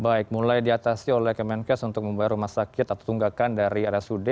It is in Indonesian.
baik mulai diatasi oleh kemenkes untuk membayar rumah sakit atau tunggakan dari rsud